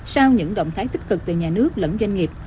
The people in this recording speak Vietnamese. sau những động thái tích cực từ nhà nước lẫn doanh nghiệp